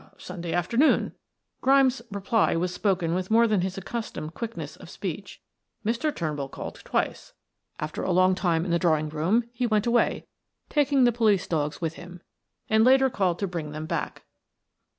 "Sunday afternoon." Grimes' reply was spoken with more than his accustomed quickness of speech. "Mr. Turnbull called twice, after a long time in the drawing room, he went away taking the police dogs with him, and later called to bring them back."